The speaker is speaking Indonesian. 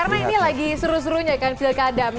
karena ini lagi seru serunya kan feel kadang